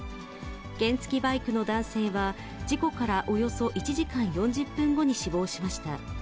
原付バイクの男性は、事故からおよそ１時間４０分後に死亡しました。